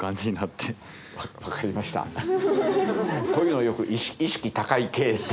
こういうのよく意識高い系って。